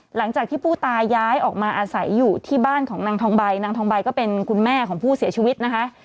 หลังจากที่ผู้ตายย้ายออกมาอาศัยอยู่ที่บ้านของนางทองใบนางทองใบก็เป็นคุณแม่ของผู้เสียชีวิตนะคะ